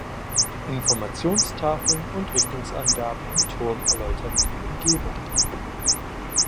Informationstafeln und Richtungsangaben im Turm erläutern die Umgebung.